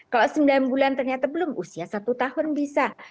kalau sembilan bulan ternyata belum usia satu tahun bisa